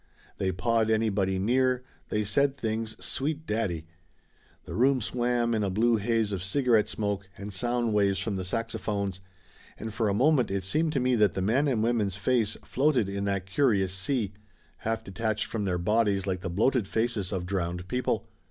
They pawed anybody near. They said things sweet daddy ! The room swam in a blue haze of cigarette smoke and sound waves from the saxophones, and for a moment it seemed to me that the men and women's face floated in that curious sea, half detached from their bodies like the bloated faces of drowned people.